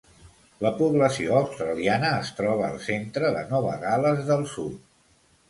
La població australiana es troba al centre de Nova Gal·les del Sud.